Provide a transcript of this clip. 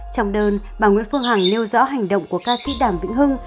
trong đơn bà nguyễn phương hằng nêu rõ hành động của ca sĩ đàm vĩnh hưng